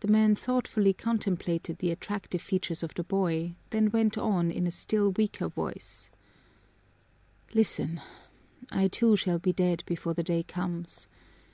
The man thoughtfully contemplated the attractive features of the boy, then went on in a still weaker voice, "Listen! I, too, shall be dead before the day comes.